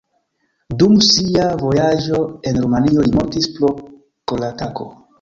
Dum sia vojaĝo en Rumanio li mortis pro koratako.